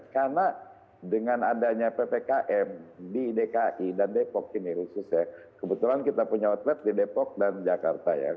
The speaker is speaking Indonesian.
karena dengan adanya ppkm di dki dan depok ini khususnya kebetulan kita punya outlet di depok dan jakarta